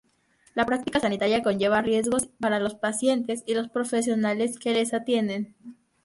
La práctica sanitaria conlleva riesgos para los pacientes y los profesionales que les atienden.